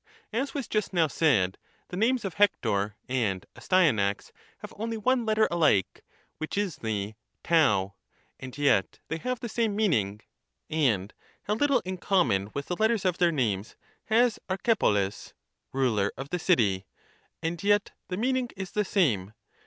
As was just now said, the names of Hector and Astyanax have only one letter alike, which is the r, and yet they have the same meaning. And how little in common with the letters of their names has Archepolis (ruler of the city) — and yet the meaning is the same.